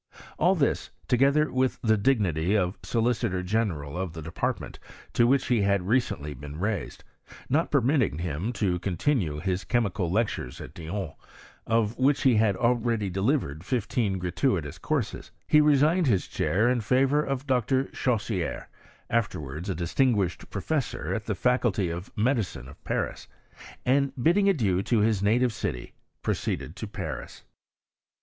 All this, together with the dignity of solicitor general of thai department to which he had recently been raised, ■ not permitting him to continue his chemical lecturetl at Bijon, of which he had already delivered fifteeal gratuitous courses, he resigned his chair in favoun of Dr. Chaussier, afterwards ar distinguished pro^ fessor at the Faculty of Medicine of Paris ; and^ bidding adieu to his native city, proceeded to Pajis.